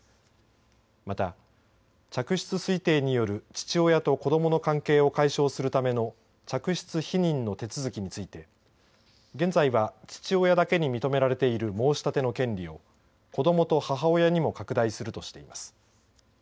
また嫡出推定による父親と子どもの関係を解消するための嫡出否認の手続きについて現在は父親だけに認められている申し立ての権利を子どもと母親にも拡大するとしています。